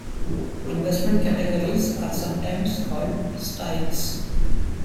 Investment categories are sometimes called "styles".